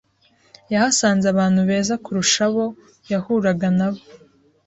yahasanze abantu beza kurusha abo yahuraga nabo